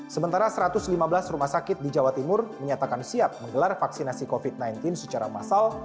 sementara satu ratus lima belas rumah sakit di jawa timur menyatakan siap menggelar vaksinasi covid sembilan belas secara massal